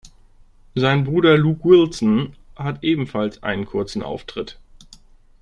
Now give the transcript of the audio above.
Sein Bruder Luke Wilson hat ebenfalls einen kurzen Auftritt.